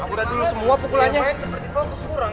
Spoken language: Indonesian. udah dulu semua pukulannya